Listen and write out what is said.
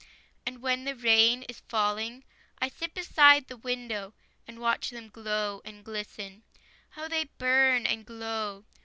And when the rain is falling, I sit beside the window And watch them glow and glisten, How they burn and glow!